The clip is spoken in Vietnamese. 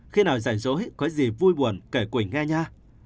khi nào rảnh rối có gì vui buồn kể quỳnh nghe nha